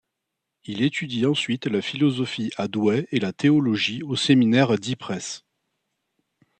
Il étudie ensuite la philosophie à Douai et la théologie au seminaire d' Ypres.